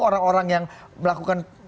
orang orang yang melakukan